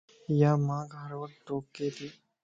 يا مانک ھروقت ٽوڪي تي